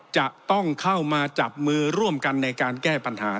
จะต้องเข้ามาจับมือร่วมกันในการแก้ปัญหา